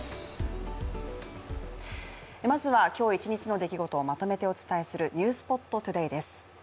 まずは今日一日の出来事をまとめてお届けする「ｎｅｗｓｐｏｔＴｏｄａｙ」です。